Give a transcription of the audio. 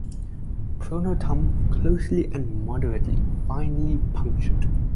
Pronotum closely and moderately finely punctured.